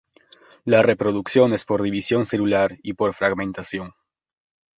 La reproducción es por división celular y por fragmentación.